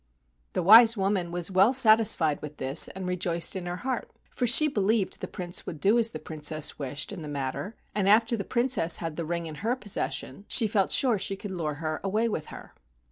The wise woman was well satisfied with this and rejoiced in her heart, for she believed the Prince would do as the Princess wished in the matter, and after the Princess had the ring in her possession she felt sure she could lure her away with her.